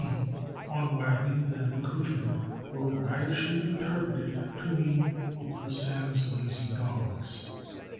D.," on wagons and accouterment were waggishly interpreted to mean "Uncle Sam's Lazy Dogs."